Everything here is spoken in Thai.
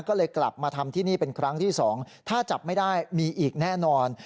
ก็เลยกลับมาทำที่นี่เป็นครั้งที่๒ถ้าจับไม่ได้มีอีกแน่นอน